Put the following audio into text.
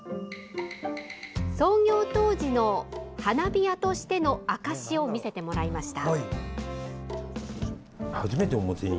創業当時の花火屋としての証しを見せてもらいました。